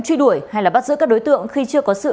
truy đuổi hay bắt giữ các đối tượng khi chưa có sự